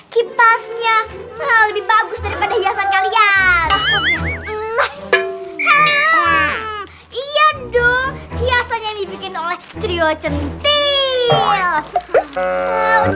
kitasnya lebih bagus daripada hiasan kalian iya dong biasanya dibikin oleh trio centil